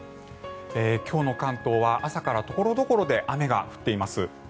今日の関東は朝から所々で雨が降っています。